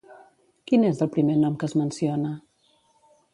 Quin és el primer nom que es menciona?